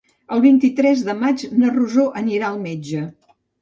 El vint-i-tres de maig na Rosó anirà al metge.